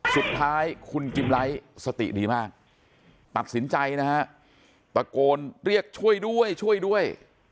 สุดท้ายคุณกิมไลท์สติดีมากตัดสินใจนะฮะตะโกนเรียกช่วยด้วยช่วยด้วย